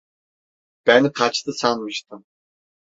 Ben kaçtı sanmıştım.